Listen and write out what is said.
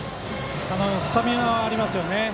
スタミナはありますよね。